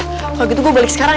kalau gitu gue balik sekarang